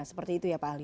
seperti itu ya pak ali